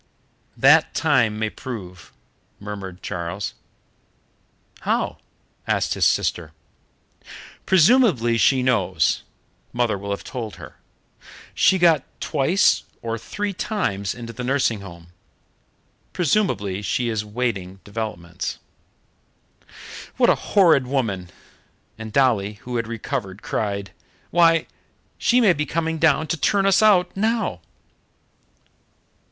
"That time may prove," murmured Charles. "How?" asked his sister. "Presumably she knows mother will have told her. She got twice or three times into the nursing home. Presumably she is awaiting developments." "What a horrid woman!" And Dolly, who had recovered, cried, "Why, she may be coming down to turn us out now!"